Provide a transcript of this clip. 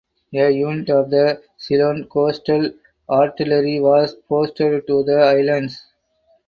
A unit of the Ceylon Coastal Artillery was posted to the Islands.